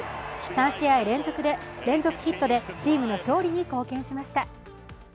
３試合連続ヒットでチームの勝利に貢献しました。